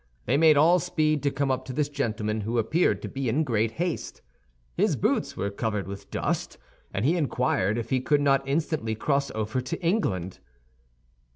They made all speed to come up to this gentleman, who appeared to be in great haste. His boots were covered with dust, and he inquired if he could not instantly cross over to England.